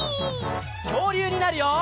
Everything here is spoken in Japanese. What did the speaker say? きょうりゅうになるよ！